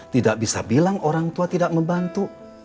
tidak bisa bilang orang tua tidak membantu